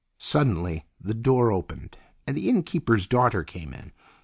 Suddenly the door opened and the inn keeper's daughter came in.